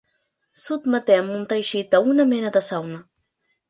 Sotmetem un teixit a una mena de sauna.